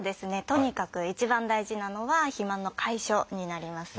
とにかく一番大事なのは肥満の解消になります。